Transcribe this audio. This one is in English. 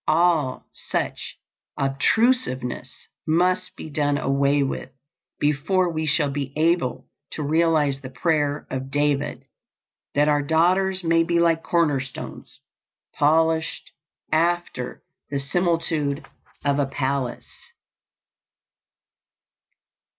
All such obtrusiveness must be done away with before we shall be able to realize the prayer of David, "that our daughters may be like corner stones, polished after the similitude of a palace."